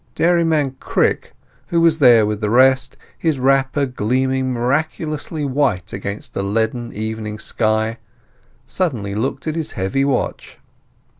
Dairyman Crick, who was there with the rest, his wrapper gleaming miraculously white against a leaden evening sky, suddenly looked at his heavy watch.